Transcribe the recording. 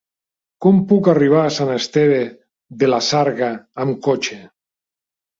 Com puc arribar a Sant Esteve de la Sarga amb cotxe?